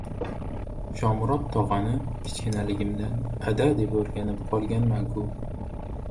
Shomurod tog‘ani kichkinaligimdan «ada» deb o‘rganib qolganman- ku.